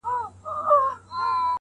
o زه خو ځکه لېونتوب په خوښۍ نمانځم,